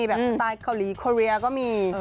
แบบสไตล์เกาหลีคอเรียก็มี